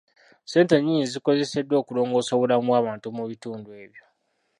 Ssente nnyingi zikozeseddwa okulongoosa obulamu bw'abantu mu bitundu ebyo.